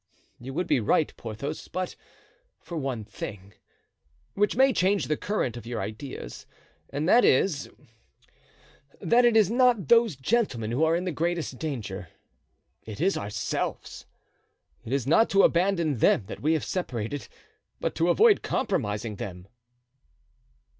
"You would be right, Porthos, but for one thing, which may change the current of your ideas; and that is, that it is not those gentlemen who are in the greatest danger, it is ourselves; it is not to abandon them that we have separated, but to avoid compromising them."